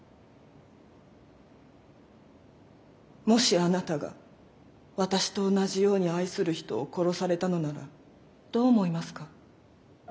もしあなたが私と同じように愛する人を殺されたのならどう思いますか？